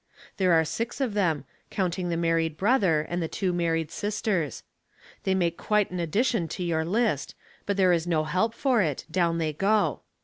There are six of them, counting the married brother and the two married sisters. They make quite an addition to your list, but there is no help for it; down they go.